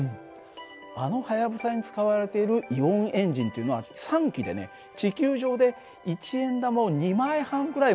あの「はやぶさ」に使われているイオンエンジンというのは３基でね地球上で一円玉を２枚半ぐらい持ち上げるぐらいの力なんだよ。